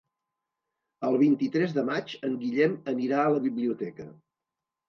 El vint-i-tres de maig en Guillem anirà a la biblioteca.